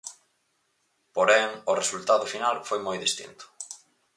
Porén, o resultado final foi moi distinto.